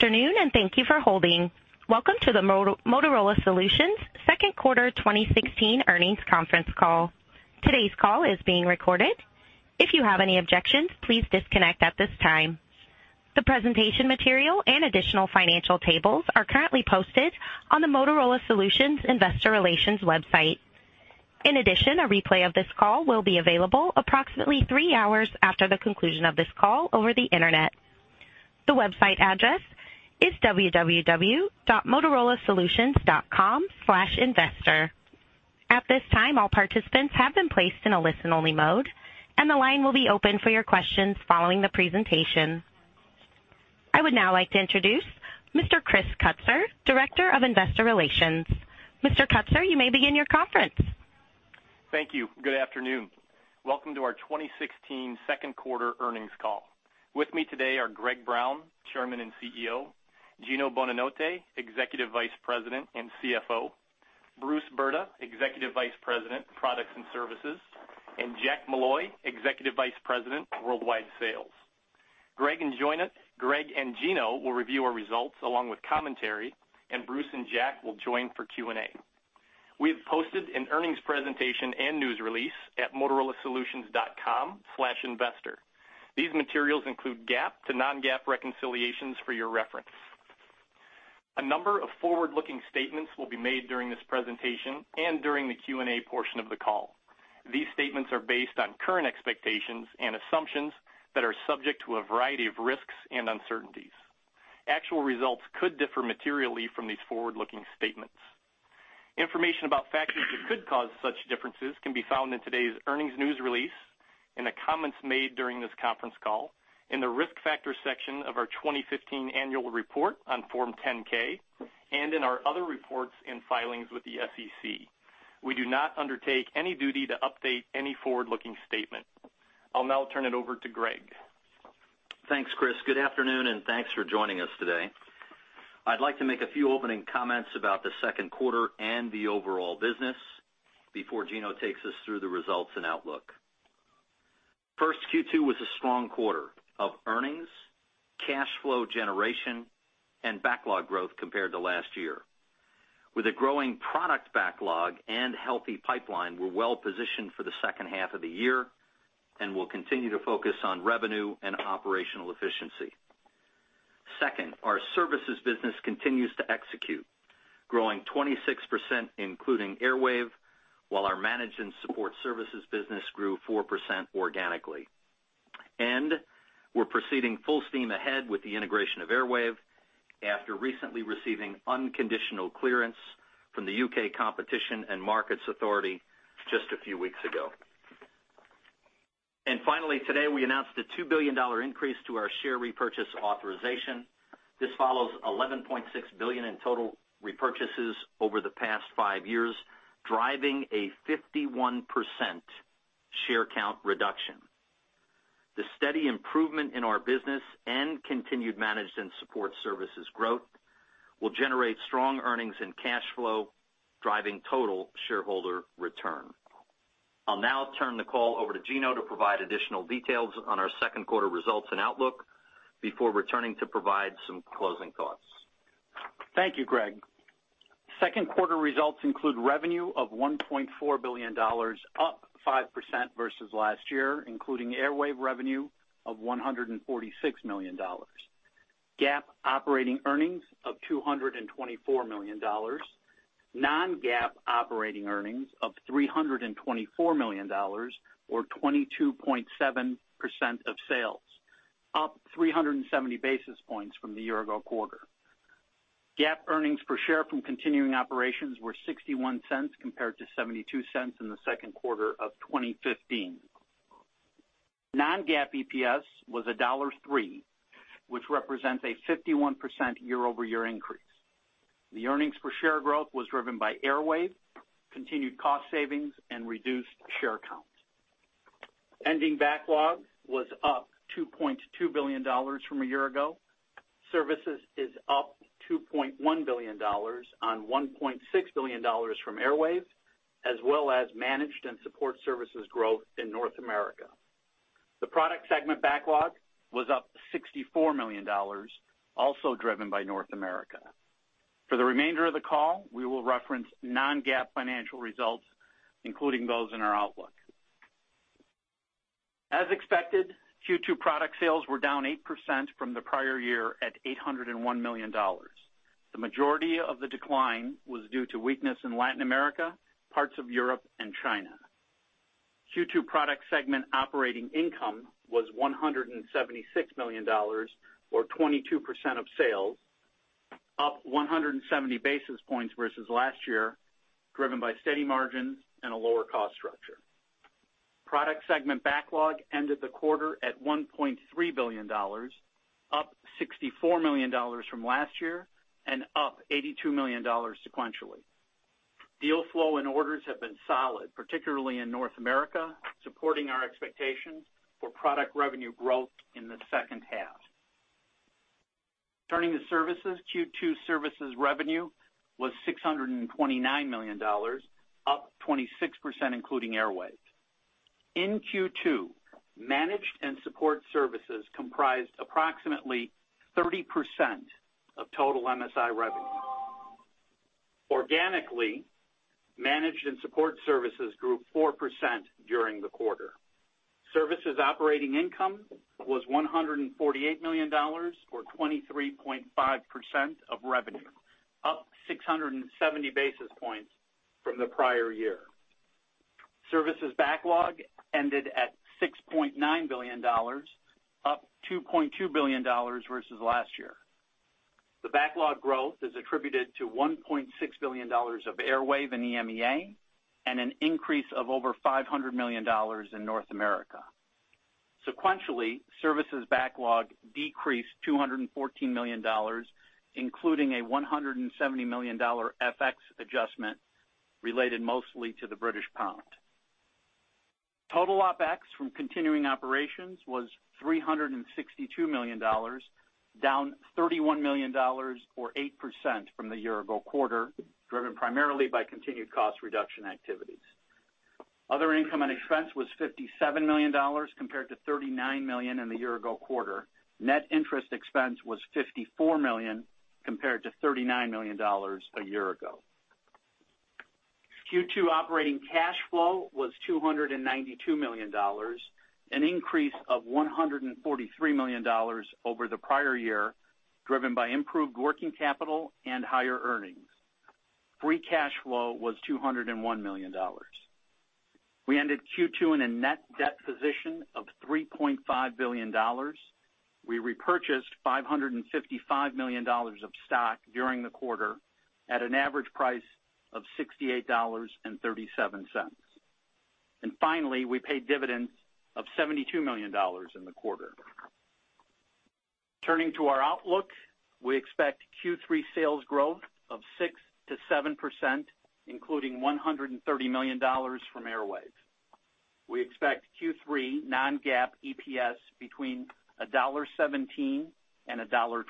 Good afternoon, and thank you for holding. Welcome to the Motorola Solutions second quarter 2016 earnings conference call. Today's call is being recorded. If you have any objections, please disconnect at this time. The presentation material and additional financial tables are currently posted on the Motorola Solutions investor relations website. In addition, a replay of this call will be available approximately 3 hours after the conclusion of this call over the Internet. The website address is www.motorolasolutions.com/investor. At this time, all participants have been placed in a listen-only mode, and the line will be open for your questions following the presentation. I would now like to introduce Mr. Chris Kutzer, Director of Investor Relations. Mr. Kutzer, you may begin your conference. Thank you. Good afternoon. Welcome to our 2016 second quarter earnings call. With me today are Greg Brown, Chairman and CEO; Gino Bonanotte, Executive Vice President and CFO; Bruce Brda, Executive Vice President, Products and Services; and Jack Molloy, Executive Vice President, Worldwide Sales. Greg and Gino will review our results along with commentary, and Bruce and Jack will join for Q&A. We have posted an earnings presentation and news release at motorolasolutions.com/investor. These materials include GAAP to non-GAAP reconciliations for your reference. A number of forward-looking statements will be made during this presentation and during the Q&A portion of the call. These statements are based on current expectations and assumptions that are subject to a variety of risks and uncertainties. Actual results could differ materially from these forward-looking statements. Information about factors that could cause such differences can be found in today's earnings news release, in the comments made during this conference call, in the Risk Factors section of our 2015 annual report on Form 10-K, and in our other reports and filings with the SEC. We do not undertake any duty to update any forward-looking statement. I'll now turn it over to Greg. Thanks, Chris. Good afternoon, and thanks for joining us today. I'd like to make a few opening comments about the second quarter and the overall business before Gino takes us through the results and outlook. First, Q2 was a strong quarter of earnings, cash flow generation, and backlog growth compared to last year. With a growing product backlog and healthy pipeline, we're well positioned for the second half of the year, and we'll continue to focus on revenue and operational efficiency. Second, our services business continues to execute, growing 26%, including Airwave, while our managed and support services business grew 4% organically. We're proceeding full steam ahead with the integration of Airwave after recently receiving unconditional clearance from the UK Competition and Markets Authority just a few weeks ago. Finally, today, we announced a $2 billion increase to our share repurchase authorization. This follows $11.6 billion in total repurchases over the past 5 years, driving a 51% share count reduction. The steady improvement in our business and continued managed and support services growth will generate strong earnings and cash flow, driving total shareholder return. I'll now turn the call over to Gino to provide additional details on our second quarter results and outlook before returning to provide some closing thoughts. Thank you, Greg. Second quarter results include revenue of $1.4 billion, up 5% versus last year, including Airwave revenue of $146 million. GAAP operating earnings of $224 million. Non-GAAP operating earnings of $324 million, or 22.7% of sales, up 370 basis points from the year-ago quarter. GAAP earnings per share from continuing operations were $0.61, compared to $0.72 in the second quarter of 2015. Non-GAAP EPS was $1.03, which represents a 51% year-over-year increase. The earnings per share growth was driven by Airwave, continued cost savings, and reduced share count. Ending backlog was up $2.2 billion from a year ago. Services is up $2.1 billion on $1.6 billion from Airwave, as well as managed and support services growth in North America. The product segment backlog was up $64 million, also driven by North America. For the remainder of the call, we will reference non-GAAP financial results, including those in our outlook. As expected, Q2 product sales were down 8% from the prior year at $801 million. The majority of the decline was due to weakness in Latin America, parts of Europe, and China. Q2 product segment operating income was $176 million, or 22% of sales, up 170 basis points versus last year, driven by steady margins and a lower cost structure. Product segment backlog ended the quarter at $1.3 billion, up $64 million from last year and up $82 million sequentially. Deal flow and orders have been solid, particularly in North America, supporting our expectations for product revenue growth in the second half. Turning to services, Q2 services revenue was $629 million, up 26%, including Airwave.... In Q2, managed and support services comprised approximately 30% of total MSI revenue. Organically, managed and support services grew 4% during the quarter. Services operating income was $148 million, or 23.5% of revenue, up 670 basis points from the prior year. Services backlog ended at $6.9 billion, up $2.2 billion versus last year. The backlog growth is attributed to $1.6 billion of Airwave in EMEA, and an increase of over $500 million in North America. Sequentially, services backlog decreased $214 million, including a $170 million FX adjustment related mostly to the British pound. Total OpEx from continuing operations was $362 million, down $31 million or 8% from the year ago quarter, driven primarily by continued cost reduction activities. Other income and expense was $57 million, compared to $39 million in the year ago quarter. Net interest expense was $54 million, compared to $39 million a year ago. Q2 operating cash flow was $292 million, an increase of $143 million over the prior year, driven by improved working capital and higher earnings. Free cash flow was $201 million. We ended Q2 in a net debt position of $3.5 billion. We repurchased $555 million of stock during the quarter at an average price of $68.37. Finally, we paid dividends of $72 million in the quarter. Turning to our outlook, we expect Q3 sales growth of 6%-7%, including $130 million from Airwave. We expect Q3 non-GAAP EPS between $1.17 and $1.22.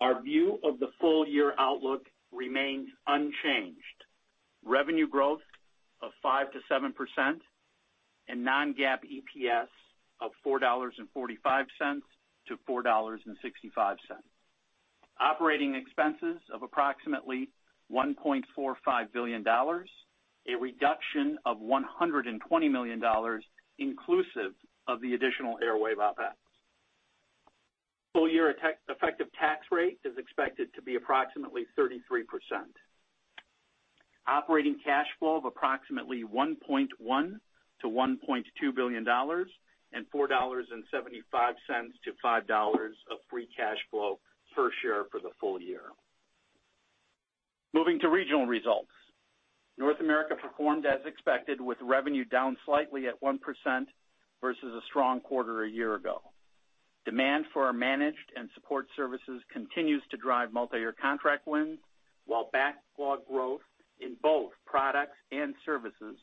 Our view of the full year outlook remains unchanged. Revenue growth of 5%-7% and non-GAAP EPS of $4.45-$4.65. Operating expenses of approximately $1.45 billion, a reduction of $120 million, inclusive of the additional Airwave OpEx. Full year effective tax rate is expected to be approximately 33%. Operating cash flow of approximately $1.1 billion-$1.2 billion, and $4.75-$5 of free cash flow per share for the full year. Moving to regional results. North America performed as expected, with revenue down slightly at 1% versus a strong quarter a year ago. Demand for our managed and support services continues to drive multiyear contract wins, while backlog growth in both products and services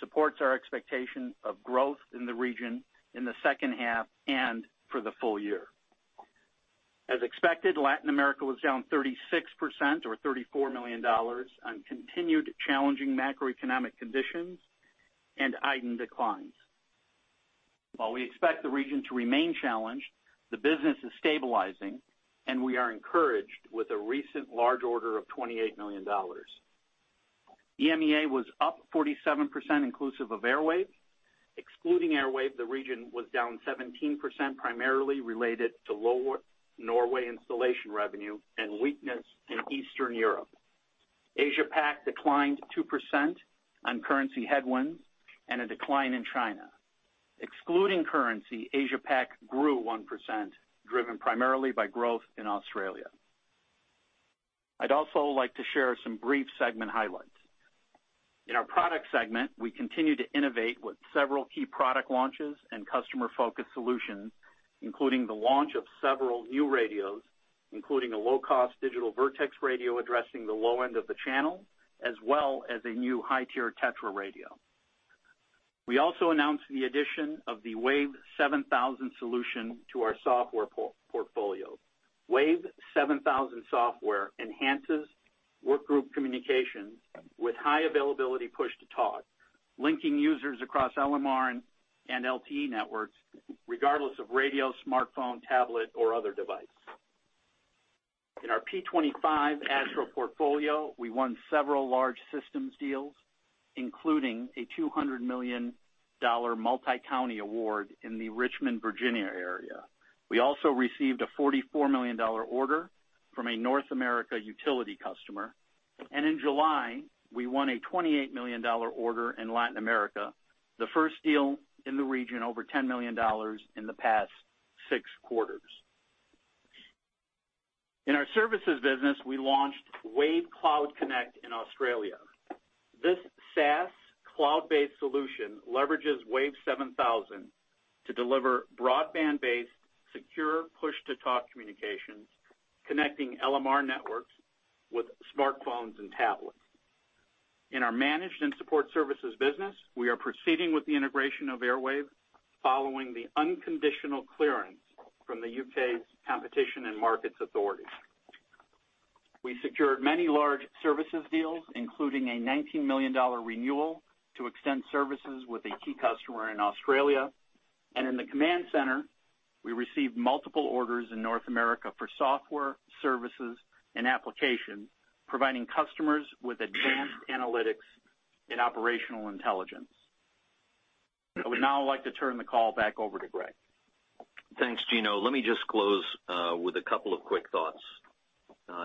supports our expectation of growth in the region in the second half and for the full year. As expected, Latin America was down 36% or $34 million on continued challenging macroeconomic conditions and iDEN declines. While we expect the region to remain challenged, the business is stabilizing, and we are encouraged with a recent large order of $28 million. EMEA was up 47%, inclusive of Airwave. Excluding Airwave, the region was down 17%, primarily related to lower Norway installation revenue and weakness in Eastern Europe. Asia Pac declined 2% on currency headwinds and a decline in China. Excluding currency, Asia Pac grew 1%, driven primarily by growth in Australia. I'd also like to share some brief segment highlights. In our product segment, we continue to innovate with several key product launches and customer-focused solutions, including the launch of several new radios, including a low-cost digital Vertex radio, addressing the low end of the channel, as well as a new high-tier TETRA radio. We also announced the addition of the WAVE 7000 solution to our software portfolio. WAVE 7000 software enhances work group communications with high availability, push to talk, linking users across LMR and LTE networks, regardless of radio, smartphone, tablet, or other device. In our P25 ASTRO portfolio, we won several large systems deals, including a $200 million multi-county award in the Richmond, Virginia, area. We also received a $44 million order from a North America utility customer, and in July, we won a $28 million order in Latin America, the first deal in the region over $10 million in the past six quarters. In our services business, we launched WAVE Cloud Connect in Australia. This SaaS cloud-based solution leverages WAVE 7000 to deliver broadband-based, secure, push-to-talk communications, connecting LMR networks with smartphones and tablets. In our managed and support services business, we are proceeding with the integration of Airwave, following the unconditional clearance from the U.K.'s Competition and Markets Authority. We secured many large services deals, including a $19 million renewal to extend services with a key customer in Australia. In the command center, we received multiple orders in North America for software, services, and application, providing customers with advanced analytics and operational intelligence. I would now like to turn the call back over to Greg. Thanks, Gino. Let me just close with a couple of quick thoughts.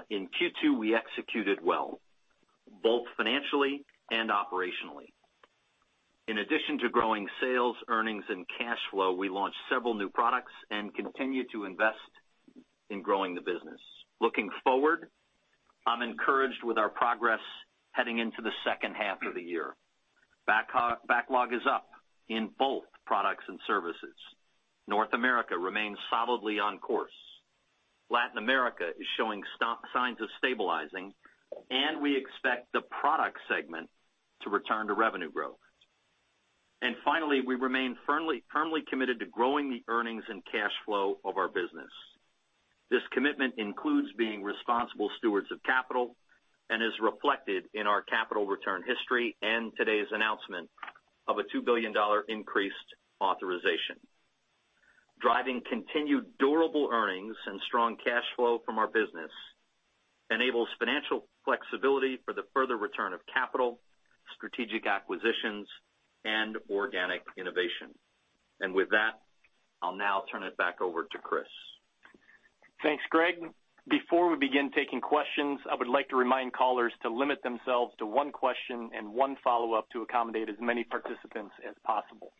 In Q2, we executed well, both financially and operationally. In addition to growing sales, earnings, and cash flow, we launched several new products and continued to invest in growing the business. Looking forward, I'm encouraged with our progress heading into the second half of the year. Backlog is up in both products and services. North America remains solidly on course. Latin America is showing signs of stabilizing, and we expect the product segment to return to revenue growth. And finally, we remain firmly, firmly committed to growing the earnings and cash flow of our business. This commitment includes being responsible stewards of capital and is reflected in our capital return history and today's announcement of a $2 billion increased authorization. Driving continued durable earnings and strong cash flow from our business enables financial flexibility for the further return of capital, strategic acquisitions, and organic innovation. With that, I'll now turn it back over to Chris. Thanks, Greg. Before we begin taking questions, I would like to remind callers to limit themselves to one question and one follow-up to accommodate as many participants as possible.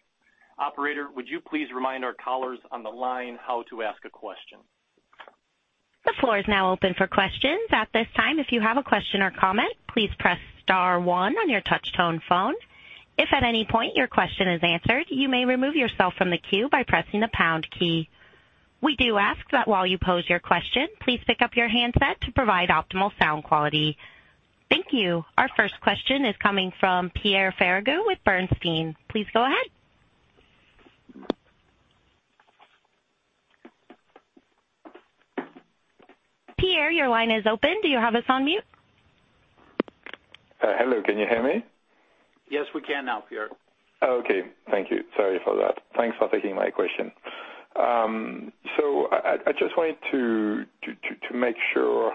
Operator, would you please remind our callers on the line how to ask a question? The floor is now open for questions. At this time, if you have a question or comment, please press star one on your touch tone phone. If at any point your question is answered, you may remove yourself from the queue by pressing the pound key. We do ask that while you pose your question, please pick up your handset to provide optimal sound quality. Thank you. Our first question is coming from Pierre Ferragu with Bernstein. Please go ahead. Pierre, your line is open. Do you have us on mute? Hello, can you hear me? Yes, we can now, Pierre. Okay. Thank you. Sorry for that. Thanks for taking my question. So I just wanted to make sure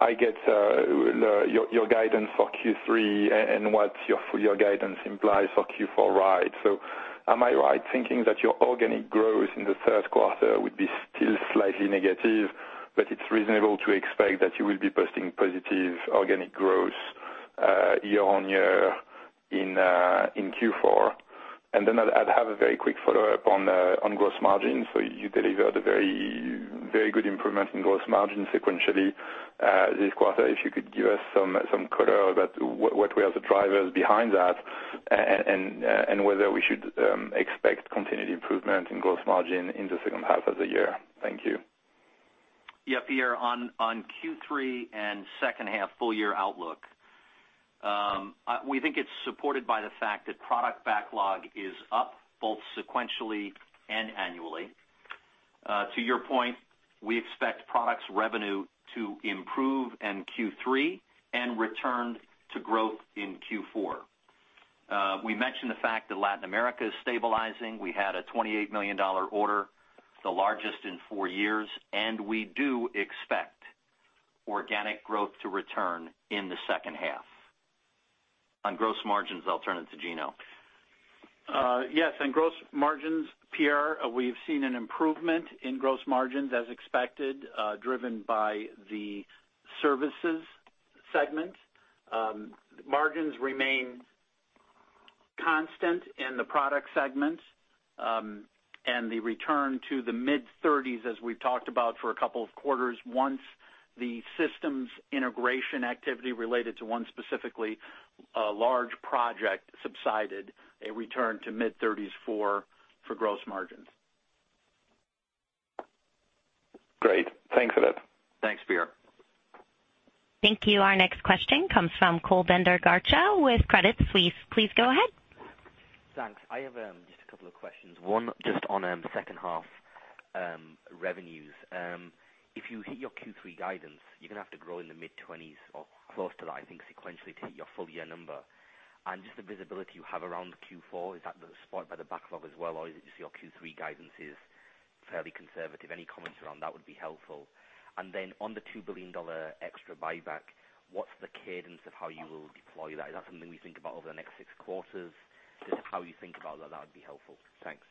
I get your guidance for Q3 and what your guidance implies for Q4, right? So am I right thinking that your organic growth in the third quarter would be still slightly negative, but it's reasonable to expect that you will be posting positive organic growth year-on-year in Q4? And then I'd have a very quick follow-up on gross margins. So you delivered a very, very good improvement in gross margin sequentially this quarter. If you could give us some color about what were the drivers behind that, and whether we should expect continued improvement in gross margin in the second half of the year. Thank you. Yeah, Pierre, on Q3 and second half full year outlook, we think it's supported by the fact that product backlog is up both sequentially and annually. To your point, we expect products revenue to improve in Q3 and return to growth in Q4. We mentioned the fact that Latin America is stabilizing. We had a $28 million order, the largest in four years, and we do expect organic growth to return in the second half. On gross margins, I'll turn it to Gino. Yes, on gross margins, Pierre, we've seen an improvement in gross margins as expected, driven by the services segment. Margins remain constant in the product segment, and the return to the mid-thirties, as we've talked about for a couple of quarters, once the systems integration activity related to one specifically large project subsided, a return to mid-thirties for gross margins. Great. Thanks for that. Thanks, Pierre. Thank you. Our next question comes from Kulbinder Garcha with Credit Suisse. Please go ahead. Thanks. I have just a couple of questions. One, just on second half revenues. If you hit your Q3 guidance, you're gonna have to grow in the mid-20s or close to that, I think, sequentially to hit your full year number. And just the visibility you have around Q4, is that the spot by the backlog as well, or is it just your Q3 guidance is fairly conservative? Any comments around that would be helpful. And then on the $2 billion extra buyback, what's the cadence of how you will deploy that? Is that something we think about over the next 6 quarters? Just how you think about that, that would be helpful. Thanks.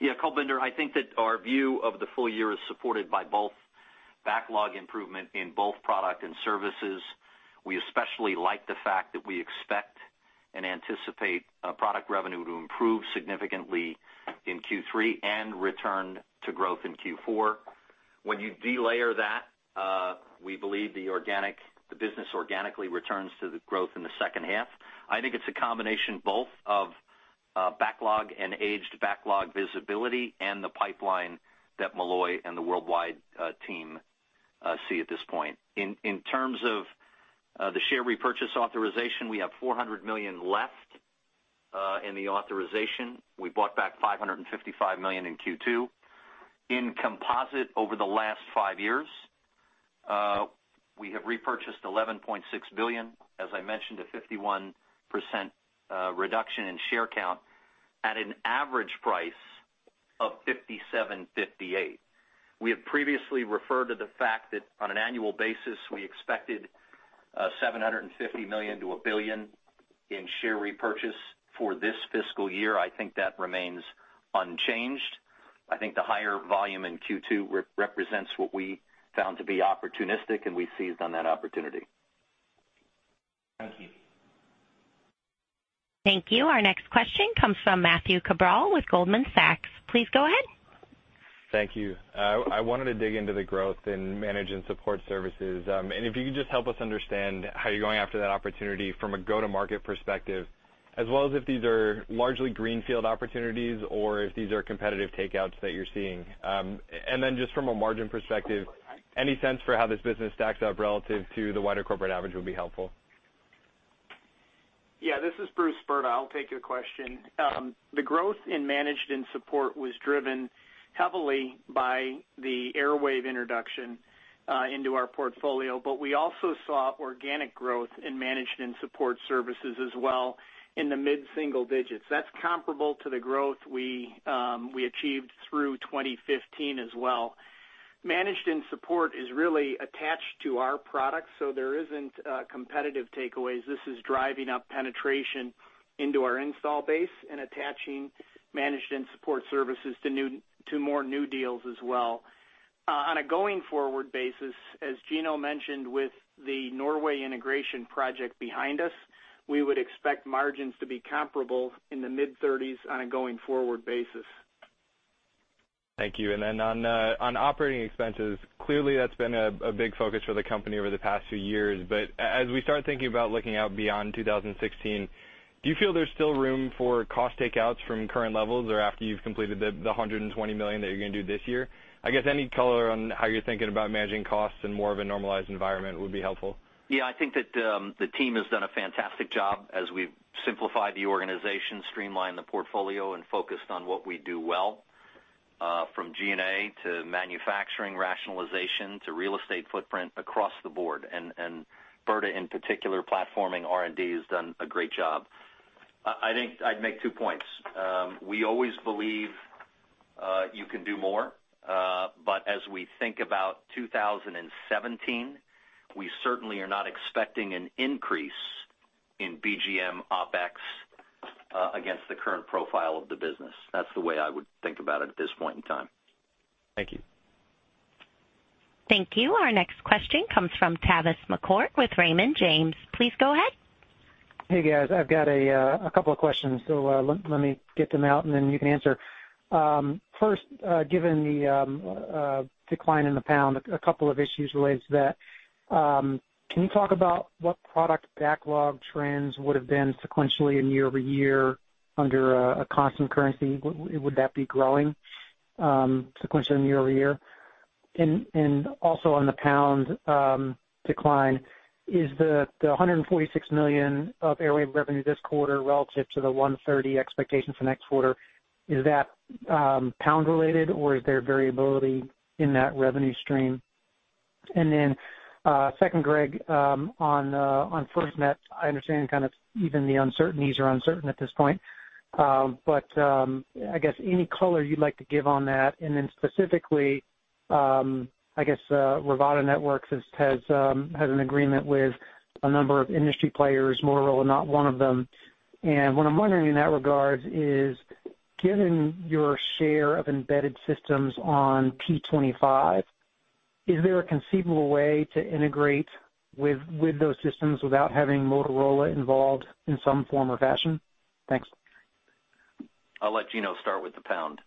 Yeah, Kulbinder, I think that our view of the full year is supported by both backlog improvement in both product and services. We especially like the fact that we expect and anticipate product revenue to improve significantly in Q3 and return to growth in Q4. When you delayer that, we believe the business organically returns to the growth in the second half. I think it's a combination both of backlog and aged backlog visibility and the pipeline that Molloy and the worldwide team see at this point. In terms of the share repurchase authorization, we have $400 million left in the authorization. We bought back $555 million in Q2. In composite, over the last five years, we have repurchased $11.6 billion, as I mentioned, a 51% reduction in share count at an average price of $57-$58. We have previously referred to the fact that on an annual basis, we expected $750 million-$1 billion in share repurchase for this fiscal year. I think that remains unchanged. I think the higher volume in Q2 represents what we found to be opportunistic, and we seized on that opportunity. Thank you. Thank you. Our next question comes from Matthew Cabral with Goldman Sachs. Please go ahead. Thank you. I wanted to dig into the growth in managed and support services. If you could just help us understand how you're going after that opportunity from a go-to-market perspective, as well as if these are largely greenfield opportunities, or if these are competitive takeouts that you're seeing. Then just from a margin perspective, any sense for how this business stacks up relative to the wider corporate average would be helpful. Yeah, this is Bruce Brda. I'll take your question. The growth in managed and support was driven heavily by the Airwave introduction into our portfolio, but we also saw organic growth in managed and support services as well in the mid-single digits. That's comparable to the growth we achieved through 2015 as well. Managed and support is really attached to our products, so there isn't competitive takeaways. This is driving up penetration into our install base and attaching managed and support services to more new deals as well. On a going forward basis, as Gino mentioned, with the Norway integration project behind us, we would expect margins to be comparable in the mid-thirties on a going forward basis. Thank you. And then on operating expenses, clearly, that's been a big focus for the company over the past few years. But as we start thinking about looking out beyond 2016, do you feel there's still room for cost takeouts from current levels, or after you've completed the $120 million that you're going to do this year? I guess any color on how you're thinking about managing costs in more of a normalized environment would be helpful. Yeah, I think that, the team has done a fantastic job as we've simplified the organization, streamlined the portfolio, and focused on what we do well, from G&A to manufacturing rationalization, to real estate footprint across the board. And, and Brda, in particular, platforming R&D, has done a great job. I think I'd make two points. We always believe, you can do more, but as we think about 2017, we certainly are not expecting an increase in BGM OpEx, against the current profile of the business. That's the way I would think about it at this point in time. Thank you. Thank you. Our next question comes from Tavis McCourt with Raymond James. Please go ahead. Hey, guys. I've got a couple of questions, so let me get them out, and then you can answer. First, given the decline in the pound, a couple of issues related to that. Can you talk about what product backlog trends would have been sequentially and year-over-year under a constant currency? Would that be growing sequentially and year-over-year? And also on the pound decline, is the $146 million of Airwave revenue this quarter relative to the $130 expectation for next quarter pound related, or is there variability in that revenue stream? And then second, Greg, on FirstNet, I understand kind of even the uncertainties are uncertain at this point. But I guess any color you'd like to give on that, and then specifically, I guess, Rivada Networks has an agreement with a number of industry players, Motorola, not one of them. What I'm wondering in that regard is, given your share of embedded systems on P25, is there a conceivable way to integrate with those systems without having Motorola involved in some form or fashion? Thanks. I'll let Gino start with the pound.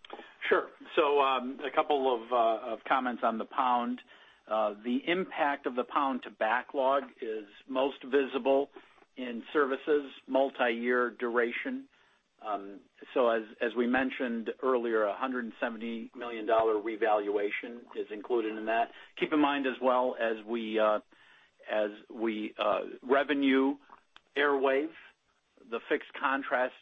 Sure. So, a couple of comments on the pound. The impact of the pound to backlog is most visible in services, multiyear duration. So as we mentioned earlier, $170 million revaluation is included in that. Keep in mind as well, as we revenue Airwave, the fixed contract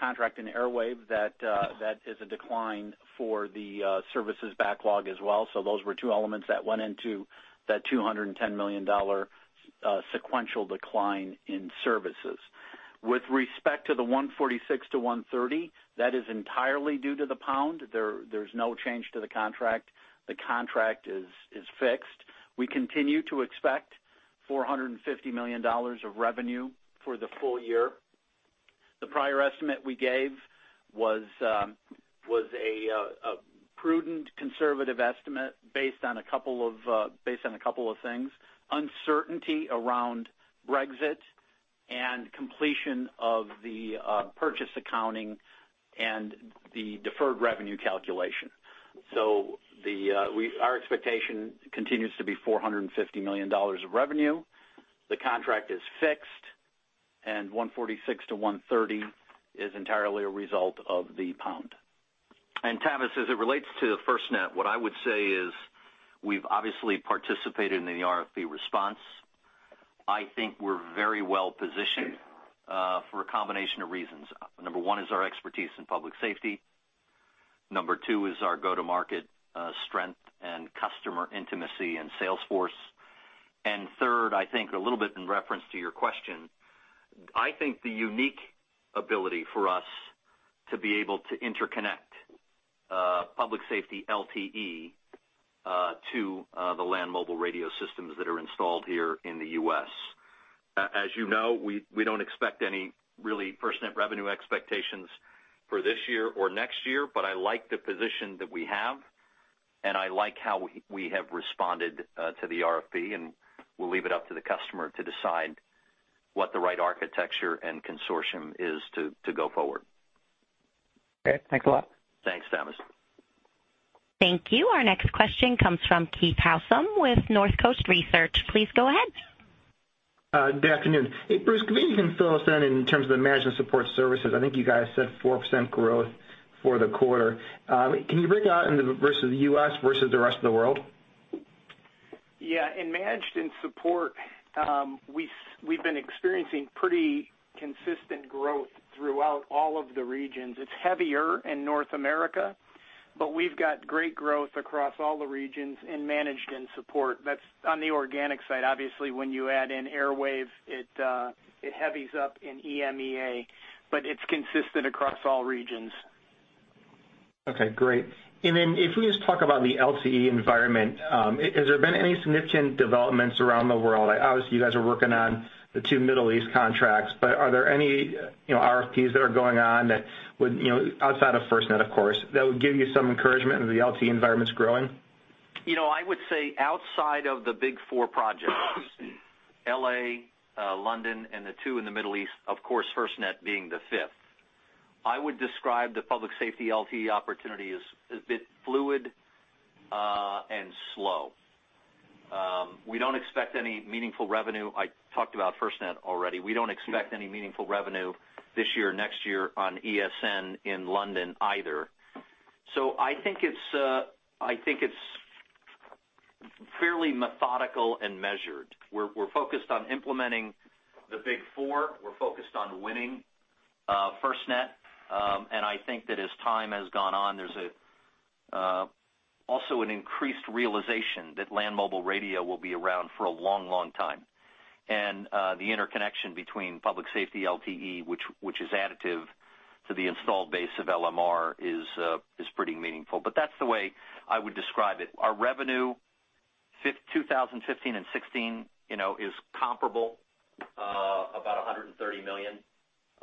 contract in Airwave, that that is a decline for the services backlog as well. So those were two elements that went into that $210 million sequential decline in services. With respect to the $146-$130, that is entirely due to the pound. There's no change to the contract. The contract is fixed. We continue to expect $450 million of revenue for the full year. The prior estimate we gave was a prudent, conservative estimate based on a couple of things: uncertainty around Brexit and completion of the purchase accounting and the deferred revenue calculation. So our expectation continues to be $450 million of revenue. The contract is fixed, and 1.46-1.30 is entirely a result of the pound.... And Tavis, as it relates to the FirstNet, what I would say is we've obviously participated in the RFP response. I think we're very well positioned for a combination of reasons. Number one is our expertise in public safety, number two is our go-to-market strength and customer intimacy and sales force. And third, I think a little bit in reference to your question, I think the unique ability for us to be able to interconnect public safety LTE to the land mobile radio systems that are installed here in the U.S. As you know, we don't expect any really FirstNet revenue expectations for this year or next year, but I like the position that we have, and I like how we have responded to the RFP, and we'll leave it up to the customer to decide what the right architecture and consortium is to go forward. Okay. Thanks a lot. Thanks, Tavis. Thank you. Our next question comes from Keith Housum with Northcoast Research. Please go ahead. Good afternoon. Hey, Bruce, could maybe you can fill us in, in terms of the management support services. I think you guys said 4% growth for the quarter. Can you break it out into versus the U.S. versus the rest of the world? Yeah. In managed and support, we've been experiencing pretty consistent growth throughout all of the regions. It's heavier in North America, but we've got great growth across all the regions in managed and support. That's on the organic side. Obviously, when you add in Airwave, it heavies up in EMEA, but it's consistent across all regions. Okay, great. And then if we just talk about the LTE environment, has there been any significant developments around the world? Obviously, you guys are working on the 2 Middle East contracts, but are there any, you know, RFPs that are going on that would, you know, outside of FirstNet, of course, that would give you some encouragement that the LTE environment's growing? You know, I would say outside of the big four projects, L.A., London, and the two in the Middle East, of course, FirstNet being the fifth, I would describe the public safety LTE opportunity as a bit fluid and slow. We don't expect any meaningful revenue. I talked about FirstNet already. We don't expect any meaningful revenue this year or next year on ESN in London either. So I think it's fairly methodical and measured. We're focused on implementing the big four. We're focused on winning FirstNet, and I think that as time has gone on, there's also an increased realization that land mobile radio will be around for a long, long time. And the interconnection between public safety LTE, which is additive to the installed base of LMR, is pretty meaningful. But that's the way I would describe it. Our revenue, 2015 and 2016, you know, is comparable, about $130 million.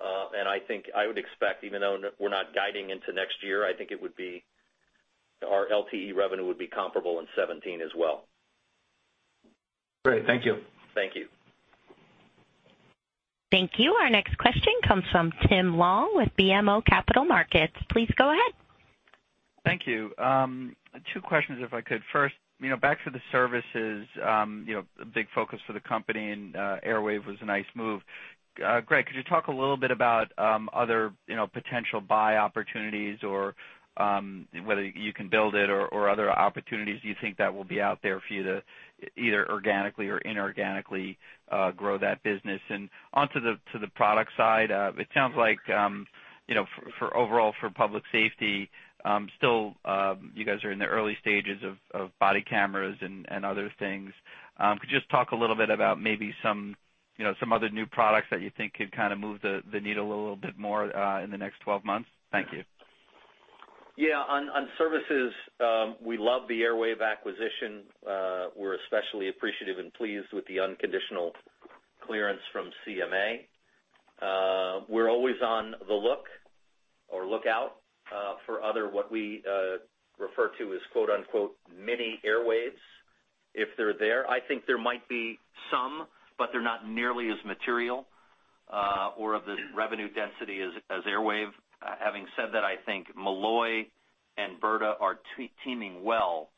And I think I would expect, even though we're not guiding into next year, I think it would be, our LTE revenue would be comparable in 2017 as well. Great. Thank you. Thank you. Thank you. Our next question comes from Tim Long with BMO Capital Markets. Please go ahead. Thank you. Two questions, if I could. First, you know, back to the services, you know, a big focus for the company, and AirWave was a nice move. Greg, could you talk a little bit about other, you know, potential buy opportunities or whether you can build it or other opportunities you think that will be out there for you to either organically or inorganically grow that business? And onto the product side, it sounds like, you know, for overall public safety, still, you guys are in the early stages of body cameras and other things. Could you just talk a little bit about maybe some, you know, some other new products that you think could kind of move the needle a little bit more in the next 12 months? Thank you. Yeah. On services, we love the Airwave acquisition. We're especially appreciative and pleased with the unconditional clearance from CMA. We're always on the lookout for other, what we refer to as quote, unquote, "mini Airwaves," if they're there. I think there might be some, but they're not nearly as material or of the revenue density as Airwave. Having said that, I think Molloy and Brda are teaming well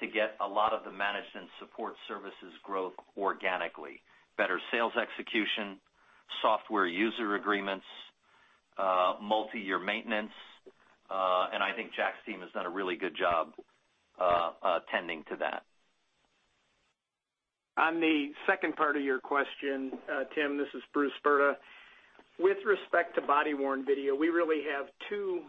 to get a lot of the managed support services growth organically. Better sales execution, software user agreements, multiyear maintenance, and I think Jack's team has done a really good job tending to that. On the second part of your question, Tim, this is Bruce Brda. With respect to body-worn video, we really have two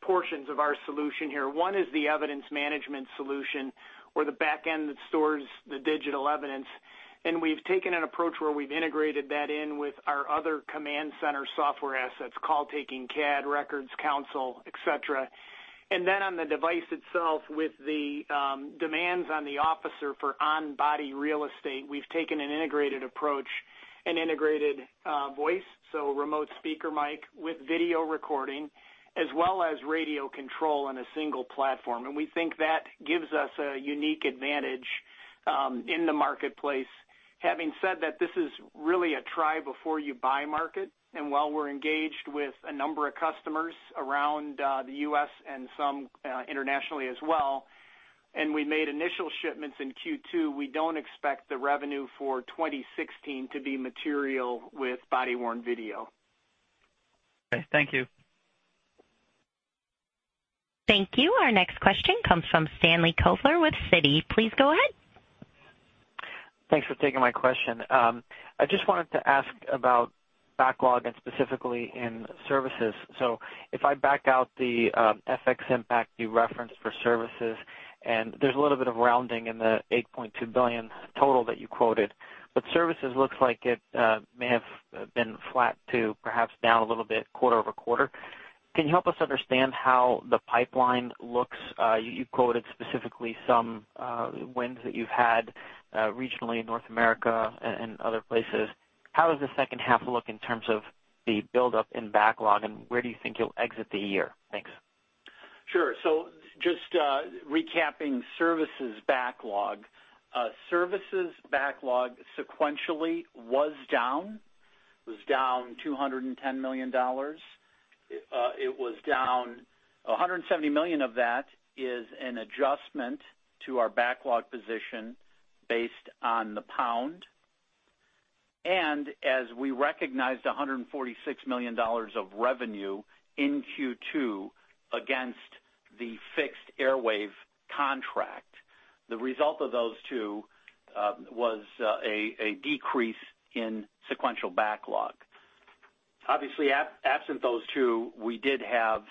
portions of our solution here. One is the evidence management solution or the back end that stores the digital evidence, and we've taken an approach where we've integrated that in with our other command center software assets, call taking, CAD, records, console, et cetera. And then on the device itself, with the demands on the officer for on-body real estate, we've taken an integrated approach and integrated voice, so remote speaker mic with video recording, as well as radio control on a single platform. And we think that gives us a unique advantage in the marketplace. Having said that, this is really a try before you buy market, and while we're engaged with a number of customers around, the U.S. and some, internationally as well. ... and we made initial shipments in Q2, we don't expect the revenue for 2016 to be material with body-worn video. Okay, thank you. Thank you. Our next question comes from Stanley Kovler with Citi. Please go ahead. Thanks for taking my question. I just wanted to ask about backlog and specifically in services. So if I back out the FX impact you referenced for services, and there's a little bit of rounding in the $8.2 billion total that you quoted, but services looks like it may have been flat to perhaps down a little bit quarter-over-quarter. Can you help us understand how the pipeline looks? You quoted specifically some wins that you've had regionally in North America and other places. How does the second half look in terms of the buildup in backlog, and where do you think you'll exit the year? Thanks. Sure. So just recapping services backlog. Services backlog sequentially was down $210 million. It was down $170 million of that is an adjustment to our backlog position based on the pound. And as we recognized $146 million of revenue in Q2 against the fixed Airwave contract, the result of those two was a decrease in sequential backlog. Obviously, absent those two, we did have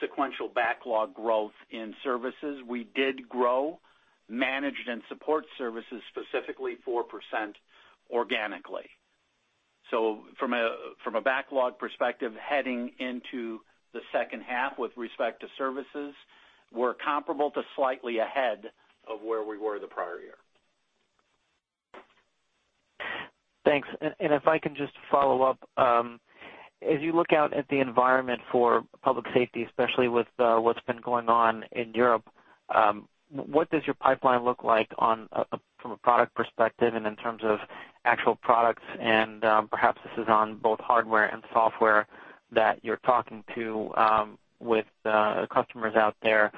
sequential backlog growth in services. We did grow managed and support services, specifically 4% organically. So from a backlog perspective, heading into the second half with respect to services, we're comparable to slightly ahead of where we were the prior year. Thanks. And if I can just follow up. As you look out at the environment for public safety, especially with what's been going on in Europe, what does your pipeline look like from a product perspective and in terms of actual products, and perhaps this is on both hardware and software that you're talking to with customers out there?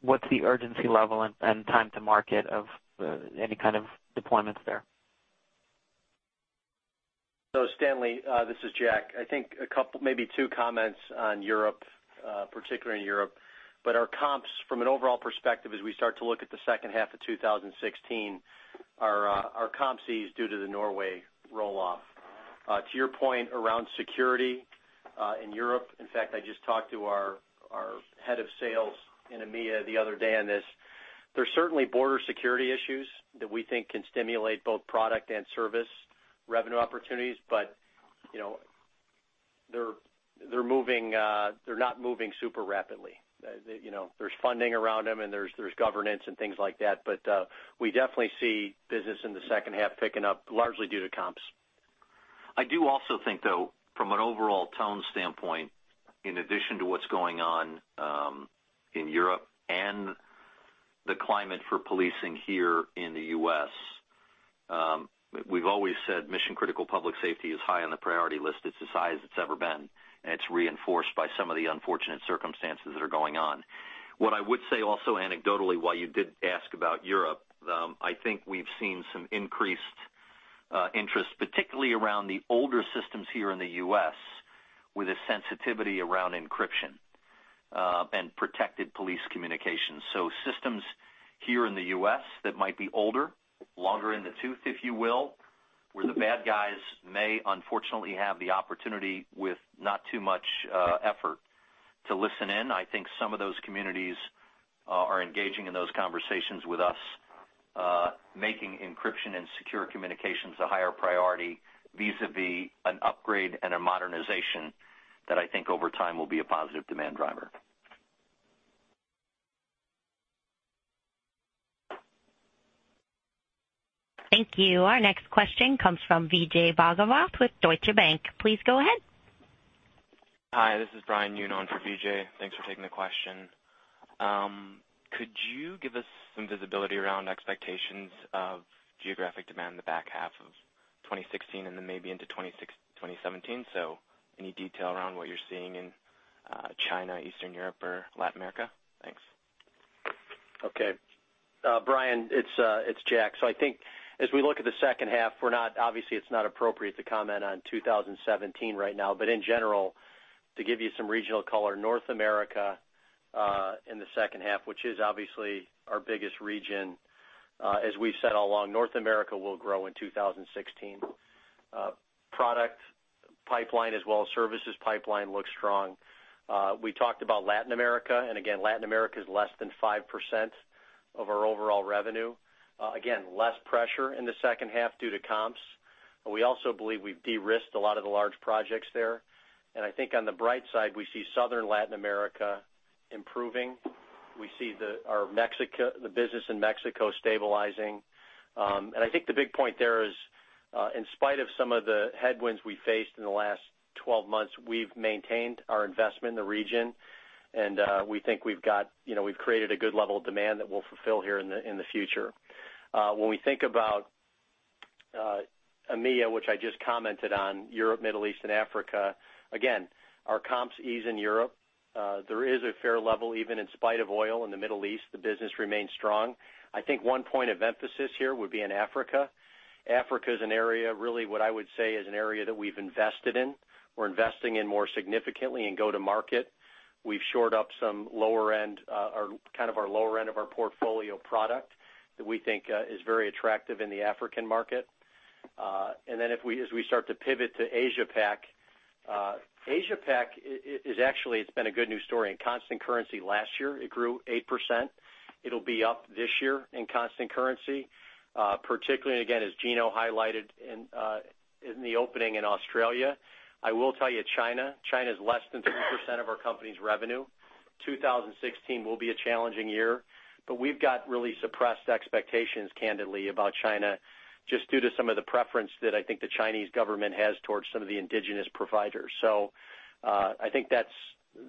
What's the urgency level and time to market of any kind of deployments there? So Stanley, this is Jack. I think a couple, maybe two comments on Europe, particularly in Europe. But our comps, from an overall perspective, as we start to look at the second half of 2016, are, our comps ease due to the Norway roll-off. To your point around security, in Europe, in fact, I just talked to our, our head of sales in EMEA the other day on this. There's certainly border security issues that we think can stimulate both product and service revenue opportunities, but, you know, they're, they're moving, they're not moving super rapidly. You know, there's funding around them, and there's, there's governance and things like that, but, we definitely see business in the second half picking up, largely due to comps. I do also think, though, from an overall tone standpoint, in addition to what's going on in Europe and the climate for policing here in the U.S., we've always said mission-critical public safety is high on the priority list. It's as high as it's ever been, and it's reinforced by some of the unfortunate circumstances that are going on. What I would say also anecdotally, while you did ask about Europe, I think we've seen some increased interest, particularly around the older systems here in the U.S., with a sensitivity around encryption and protected police communications. So systems here in the U.S. that might be older, longer in the tooth, if you will, where the bad guys may unfortunately have the opportunity with not too much effort to listen in. I think some of those communities are engaging in those conversations with us, making encryption and secure communications a higher priority, vis-a-vis an upgrade and a modernization that I think over time will be a positive demand driver. Thank you. Our next question comes from Vijay Bhagavath with Deutsche Bank. Please go ahead. Hi, this is Brian Noon on for Vijay. Thanks for taking the question. Could you give us some visibility around expectations of geographic demand in the back half of 2016 and then maybe into 2016-2017? So any detail around what you're seeing in China, Eastern Europe, or Latin America? Thanks. Okay. Brian, it's Jack. So I think as we look at the second half, we're not... Obviously, it's not appropriate to comment on 2017 right now, but in general, to give you some regional color, North America, in the second half, which is obviously our biggest region, as we've said all along, North America will grow in 2016. Product pipeline as well as services pipeline looks strong. We talked about Latin America, and again, Latin America is less than 5% of our overall revenue. Again, less pressure in the second half due to comps, but we also believe we've de-risked a lot of the large projects there. And I think on the bright side, we see Southern Latin America improving. We see the, our Mexico, the business in Mexico stabilizing. And I think the big point there is, in spite of some of the headwinds we faced in the last 12 months, we've maintained our investment in the region, and we think we've got, you know, we've created a good level of demand that we'll fulfill here in the future. When we think about EMEA, which I just commented on, Europe, Middle East, and Africa. Again, our comps ease in Europe. There is a fair level, even in spite of oil in the Middle East, the business remains strong. I think one point of emphasis here would be in Africa. Africa is an area, really what I would say, is an area that we've invested in. We're investing in more significantly in go-to-market. We've shored up some lower end, or kind of our lower end of our portfolio product that we think is very attractive in the African market. And then as we start to pivot to Asia Pac, Asia Pac is actually, it's been a good news story. In constant currency last year, it grew 8%. It'll be up this year in constant currency, particularly, again, as Gino highlighted in the opening in Australia. I will tell you, China is less than 2% of our company's revenue. 2016 will be a challenging year, but we've got really suppressed expectations, candidly, about China, just due to some of the preference that I think the Chinese government has towards some of the indigenous providers. So, I think that's,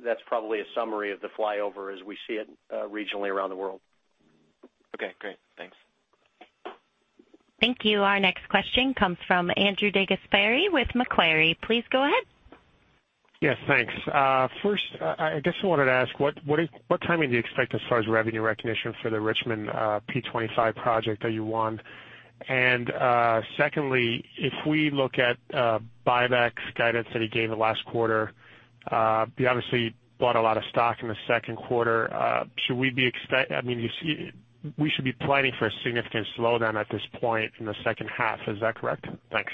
that's probably a summary of the flyover as we see it, regionally around the world. Okay, great. Thanks. Thank you. Our next question comes from Andrew DeGasperi with Macquarie. Please go ahead. Yes, thanks. First, I guess I wanted to ask, what timing do you expect as far as revenue recognition for the Richmond P25 project that you won? And secondly, if we look at buybacks guidance that he gave the last quarter, you obviously bought a lot of stock in the second quarter. I mean, you see, we should be planning for a significant slowdown at this point in the second half. Is that correct? Thanks.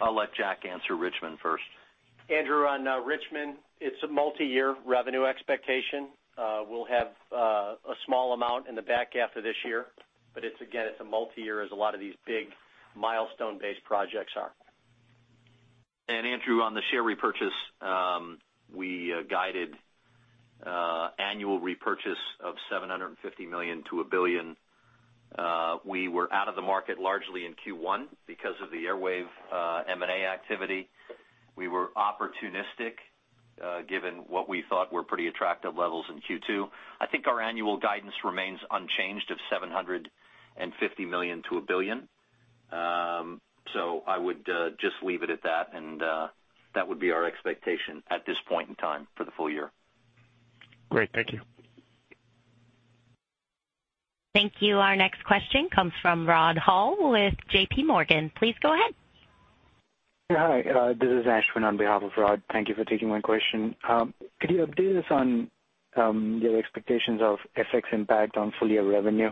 I'll let Jack answer Richmond first. Andrew, on Richmond, it's a multiyear revenue expectation. We'll have a small amount in the back half of this year, but it's, again, it's a multiyear, as a lot of these big milestone-based projects are. Andrew, on the share repurchase, we guided annual repurchase of $750 million-$1 billion. We were out of the market largely in Q1 because of the Airwave M&A activity. We were opportunistic, given what we thought were pretty attractive levels in Q2. I think our annual guidance remains unchanged of $750 million-$1 billion. So I would just leave it at that, and that would be our expectation at this point in time for the full year. Great. Thank you. Thank you. Our next question comes from Rod Hall with JP Morgan. Please go ahead. Hi, this is Ashwin on behalf of Rod. Thank you for taking my question. Could you update us on your expectations of FX impact on full year revenue?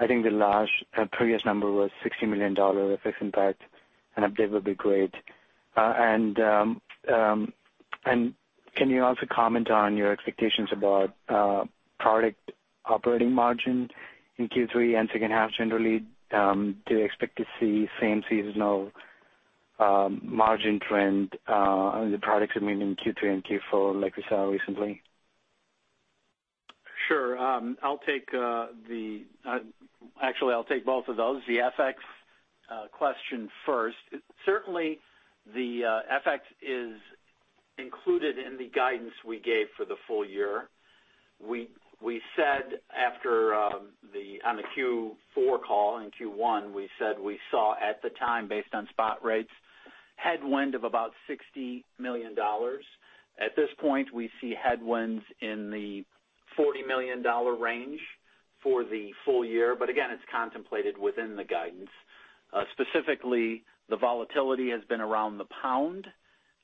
I think the large previous number was $60 million FX impact; an update would be great. And can you also comment on your expectations about product operating margin in Q3 and second half generally? Do you expect to see same seasonal margin trend on the products, I mean, in Q3 and Q4, like we saw recently? Sure. Actually, I'll take both of those. The FX question first. Certainly, the FX is included in the guidance we gave for the full year. We said after the Q4 call, in Q1, we said we saw at the time, based on spot rates, headwind of about $60 million. At this point, we see headwinds in the $40 million range for the full year. But again, it's contemplated within the guidance. Specifically, the volatility has been around the pound.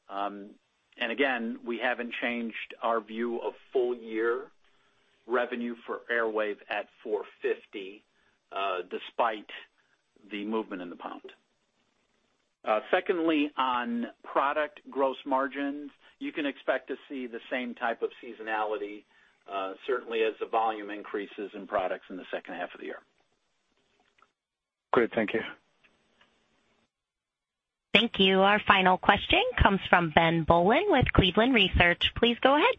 And again, we haven't changed our view of full year revenue for Airwave at 450 million, despite the movement in the pound. Secondly, on product gross margins, you can expect to see the same type of seasonality, certainly as the volume increases in products in the second half of the year. Great. Thank you. Thank you. Our final question comes from Ben Bollin with Cleveland Research. Please go ahead.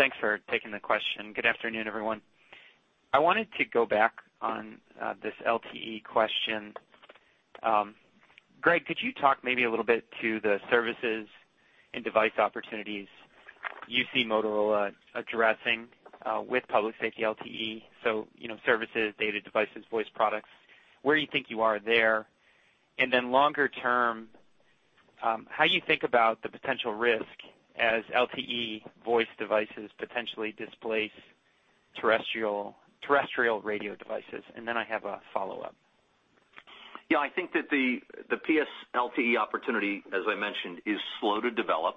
Thanks for taking the question. Good afternoon, everyone. I wanted to go back on, this LTE question. Greg, could you talk maybe a little bit to the services and device opportunities you see Motorola addressing, with public safety LTE? So, you know, services, data devices, voice products, where you think you are there? And then longer term, how you think about the potential risk as LTE voice devices potentially displace terrestrial, terrestrial radio devices? And then I have a follow-up. Yeah, I think that the PS LTE opportunity, as I mentioned, is slow to develop.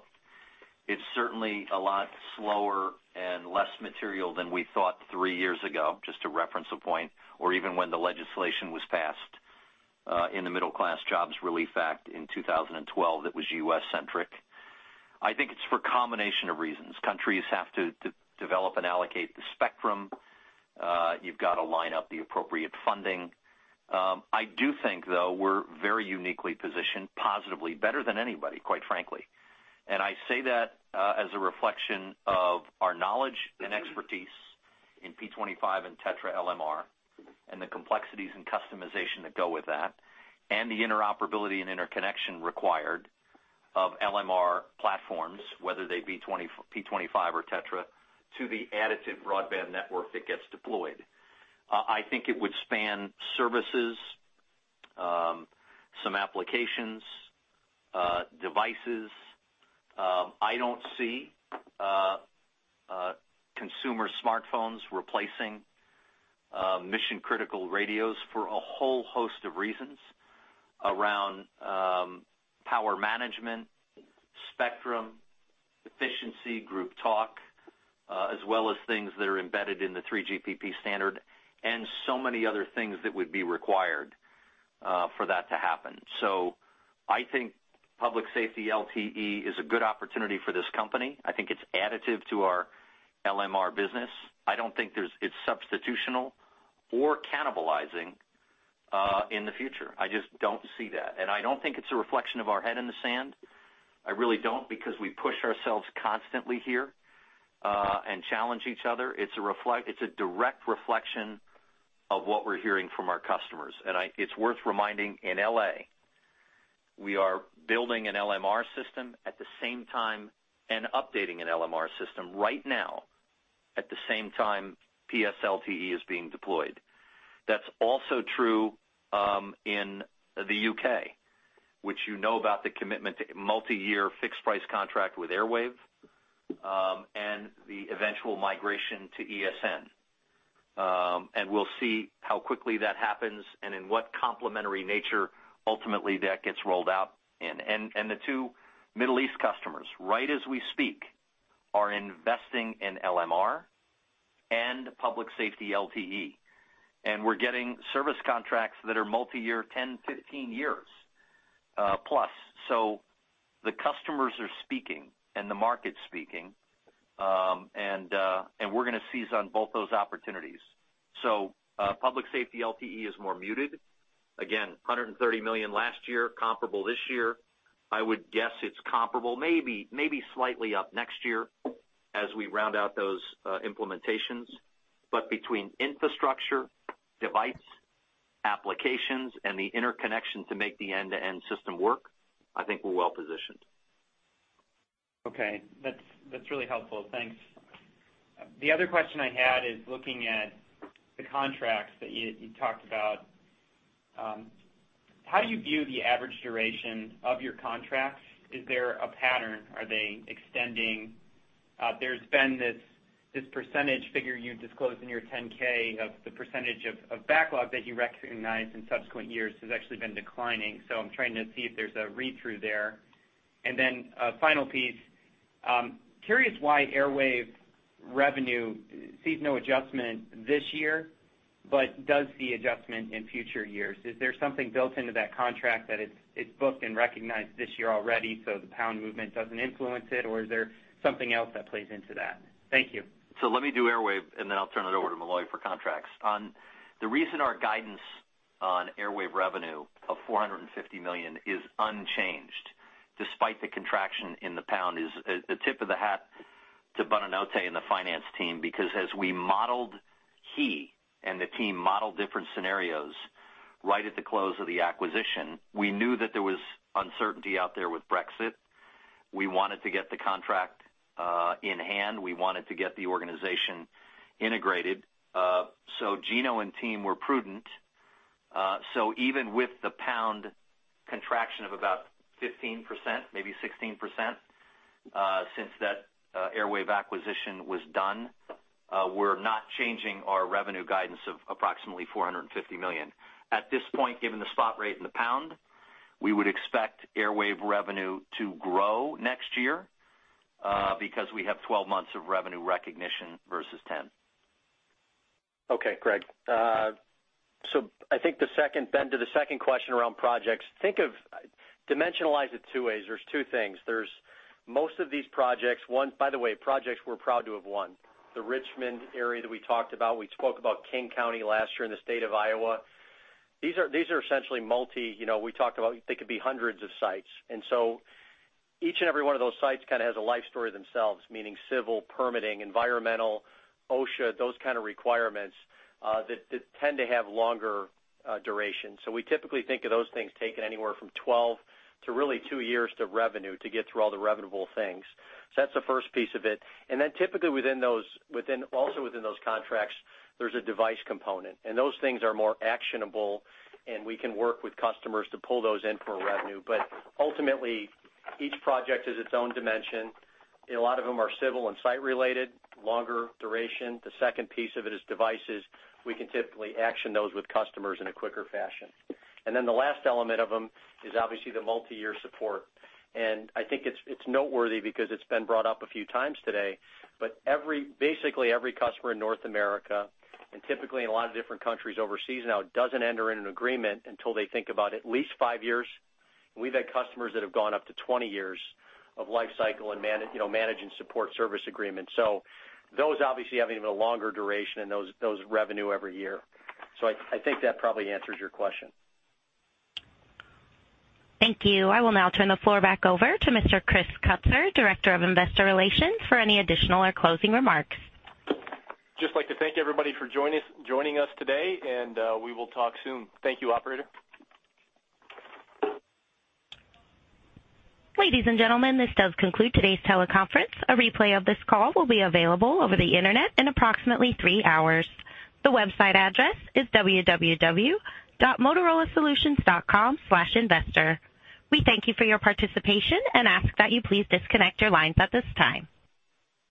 It's certainly a lot slower and less material than we thought three years ago, just to reference a point, or even when the legislation was passed in the Middle Class Jobs Relief Act in 2012, that was U.S.-centric. I think it's for a combination of reasons. Countries have to develop and allocate the spectrum. You've got to line up the appropriate funding. I do think, though, we're very uniquely positioned, positively, better than anybody, quite frankly. And I say that as a reflection of our knowledge and expertise in P25 and TETRA LMR, and the complexities and customization that go with that, and the interoperability and interconnection required of LMR platforms, whether they be P25 or TETRA, to the additive broadband network that gets deployed. I think it would span services, some applications, devices. I don't see consumer smartphones replacing mission-critical radios for a whole host of reasons around power management, spectrum, efficiency, group talk, as well as things that are embedded in the 3GPP standard, and so many other things that would be required for that to happen. So I think public safety LTE is a good opportunity for this company. I think it's additive to our LMR business. I don't think it's substitutional or cannibalizing in the future. I just don't see that, and I don't think it's a reflection of our head in the sand. I really don't, because we push ourselves constantly here, and challenge each other. It's a direct reflection of what we're hearing from our customers, and it's worth reminding, in LA, we are building an LMR system at the same time and updating an LMR system right now, at the same time PS LTE is being deployed. That's also true in the U.K., which you know about the commitment to multiyear fixed price contract with Airwave, and the eventual migration to ESN. And we'll see how quickly that happens and in what complementary nature, ultimately, that gets rolled out in. And the two Middle East customers, right as we speak, are investing in LMR and public safety LTE, and we're getting service contracts that are multiyear, 10, 15 years, plus. So the customers are speaking, and the market's speaking, and we're going to seize on both those opportunities. Public safety LTE is more muted. Again, $130 million last year, comparable this year. I would guess it's comparable, maybe, maybe slightly up next year as we round out those implementations. But between infrastructure, device, applications, and the interconnection to make the end-to-end system work, I think we're well positioned. Okay, that's, that's really helpful. Thanks. The other question I had is looking at the contracts that you, you talked about. How do you view the average duration of your contracts? Is there a pattern? Are they extending? There's been this, this percentage figure you disclosed in your 10-K of the percentage of, of backlog that you recognize in subsequent years has actually been declining. So I'm trying to see if there's a read-through there. And then, a final piece, curious why Airwave revenue sees no adjustment this year but does see adjustment in future years. Is there something built into that contract that it's, it's booked and recognized this year already, so the pound movement doesn't influence it, or is there something else that plays into that? Thank you. So let me do Airwave, and then I'll turn it over to Molloy for contracts. The reason our guidance on Airwave revenue of $450 million is unchanged, despite the contraction in the pound, is a tip of the hat to Bonanotte and the finance team, because as we modeled, he and the team modeled different scenarios right at the close of the acquisition. We knew that there was uncertainty out there with Brexit. We wanted to get the contract in hand. We wanted to get the organization integrated. So Gino and team were prudent. So even with the pound contraction of about 15%, maybe 16%, since that Airwave acquisition was done, we're not changing our revenue guidance of approximately $450 million. At this point, given the spot rate in the pound, we would expect Airwave revenue to grow next year, because we have 12 months of revenue recognition versus 10. Okay, Greg. So I think the second, Ben, to the second question around projects, think of, dimensionalize it two ways. There's two things: there's most of these projects, one. By the way, projects we're proud to have won. The Richmond area that we talked about, we spoke about King County last year in the state of Iowa. These are, these are essentially multi, you know, we talked about they could be hundreds of sites. And so each and every one of those sites kind of has a life story themselves, meaning civil, permitting, environmental, OSHA, those kind of requirements, that tend to have longer duration. So we typically think of those things taking anywhere from 12 to really 2 years to revenue to get through all the revenable things. So that's the first piece of it. And then typically, within those, also within those contracts, there's a device component, and those things are more actionable, and we can work with customers to pull those in for revenue. But ultimately, each project is its own dimension. A lot of them are civil and site-related, longer duration. The second piece of it is devices. We can typically action those with customers in a quicker fashion. And then the last element of them is obviously the multiyear support. And I think it's noteworthy because it's been brought up a few times today, but basically every customer in North America, and typically in a lot of different countries overseas now, doesn't enter in an agreement until they think about at least 5 years. We've had customers that have gone up to 20 years of life cycle and, you know, manage and support service agreements. So those obviously have an even longer duration, and those revenue every year. So I think that probably answers your question. Thank you. I will now turn the floor back over to Mr. Chris Kutzer, Director of Investor Relations, for any additional or closing remarks. Just like to thank everybody for joining us today, and we will talk soon. Thank you, operator. Ladies and gentlemen, this does conclude today's teleconference. A replay of this call will be available over the Internet in approximately three hours. The website address is www.motorolasolutions.com/investor. We thank you for your participation and ask that you please disconnect your lines at this time.